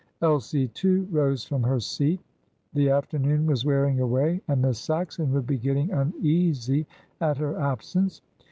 Elsie, too, rose from her seat. The afternoon was wearing away, and Miss Saxon would be getting uneasy at her absence.